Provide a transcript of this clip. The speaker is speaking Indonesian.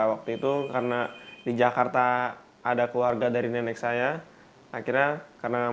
waktu itu karena di jakarta ada keluarga dari nenek saya akhirnya karena